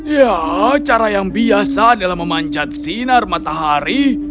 ya cara yang biasa adalah memanjat sinar matahari